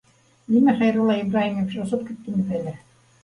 Нимә, Хәйрулла Ибраһимович, осоп киттеме бәлә-